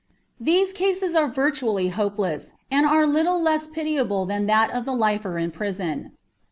These cases are virtually hopeless, and are little less pitiable than that of the "lifer" in a prison.